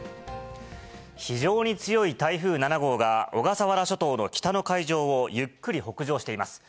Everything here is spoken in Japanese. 非常に強い台風７号が、小笠原諸島の北の海上を、ゆっくり北上しています。